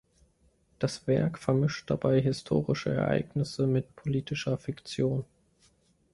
Das Werk vermischt dabei historische Ereignisse mit politischer Fiktion.